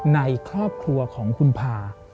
ในครอบครัวของคุณพา